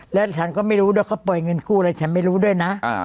แล้วฉันก็ไม่รู้ด้วยเขาปล่อยเงินกู้อะไรฉันไม่รู้ด้วยนะ